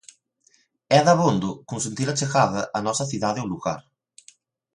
É dabondo con sentir a chegada a nosa cidade ou lugar.